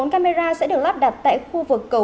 một mươi bốn camera sẽ được lắp đặt tại khu vực cầu vịnh